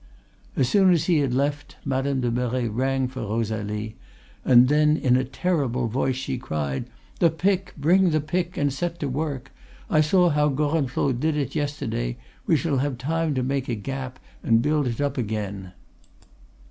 "As soon as he had left, Madame de Merret rang for Rosalie, and then in a terrible voice she cried: 'The pick! Bring the pick! and set to work. I saw how Gorenflot did it yesterday; we shall have time to make a gap and build it up again.